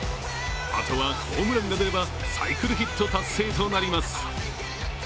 あとはホームランが出れば、サイクルヒット達成となります。